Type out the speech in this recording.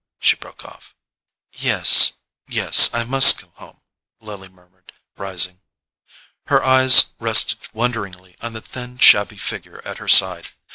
she broke off. "Yes—yes; I must go home," Lily murmured, rising. Her eyes rested wonderingly on the thin shabby figure at her side.